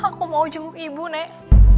aku mau jenguk ibu nek